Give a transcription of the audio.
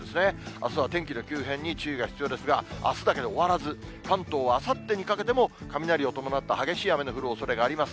あすは天気の急変に注意が必要ですが、あすだけで終わらず、関東はあさってにかけても雷を伴った激しい雨の降るおそれがあります。